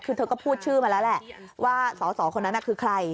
คือเธอก็พูดชื่อมาแล้วแหละว่าสอสอคนนั้นคือใคร